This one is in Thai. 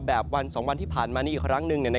แบบวัน๒วันที่ผ่านมานี้อีกครั้งหนึ่ง